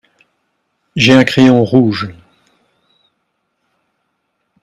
J'ai un crayon rouge.